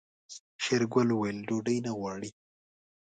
شېرګل وويل ډوډۍ نه غواړي.